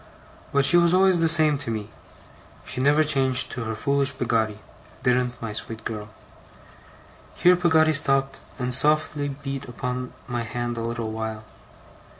But she was always the same to me. She never changed to her foolish Peggotty, didn't my sweet girl.' Here Peggotty stopped, and softly beat upon my hand a little while.